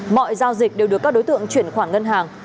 mọi giao dịch đều được các đối tượng chuyển khoản ngân hàng